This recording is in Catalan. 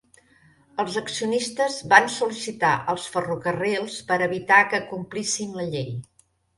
Els accionistes van sol·licitar els ferrocarrils per a evitar que complissin la llei.